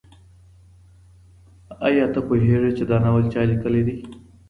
آیا ته پوهېږې چي دا ناول چا لیکلی دی؟